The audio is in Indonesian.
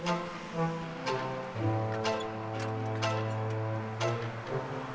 duduk dulu yuk